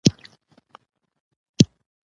کلیوالو نارضایتي د خلکو ګوند په جوړېدو تمامه شوه.